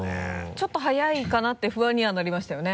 ちょっと早いかな？って不安にはなりましたよね。